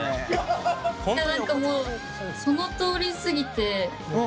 何かもうそのとおりすぎて。